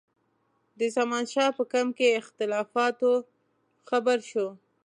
د زمانشاه په کمپ کې اختلافاتو خبر شو.